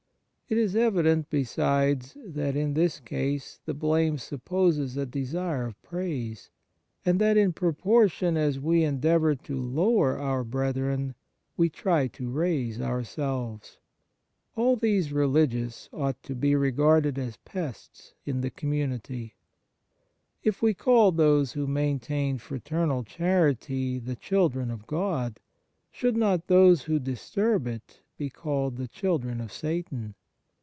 It is evident, besides, that in this case the blame supposes a desire of praise, and that in proportion as we endeavour to lower our brethren we try to raise ourselves. All these religious 56 Fourth Preservative ought to be regarded as pests in the com munity. If we call those who maintain fraternal charity the children of God, should not those who disturb it be called the children of Satan